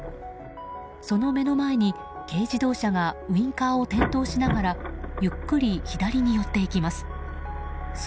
その目の前に軽自動車がウインカーを点灯しながらゆっくり左に寄っていきます。